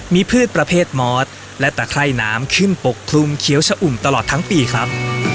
มีพืชประเภทมอสและตะไคร่น้ำขึ้นปกคลุมเขียวชะอุ่มตลอดทั้งปีครับ